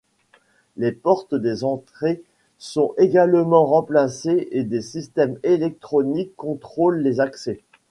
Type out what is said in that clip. Les portes des entrées sont également remplacées et des systèmes électroniques contrôlent les accès.